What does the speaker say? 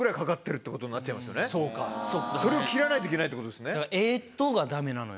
それを切らないといけないってことですね。